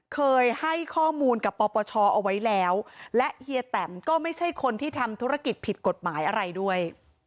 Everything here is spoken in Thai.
เคยให้ข้อมูลกับปปชเอาไว้แล้วและเฮียแตมก็ไม่ใช่คนที่ทำธุรกิจผิดกฎหมายอะไรด้วย